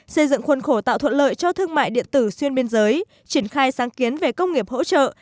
xây dựng khuôn khổ tạo thuận lợi cho thương mại điện tử xuyên biên giới triển khai sáng kiến về công nghiệp hỗ trợ